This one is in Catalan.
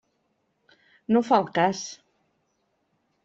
No fa al cas.